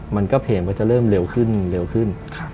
มันก็เพลงว่าจะเริ่มเร็วขึ้นเร็วขึ้น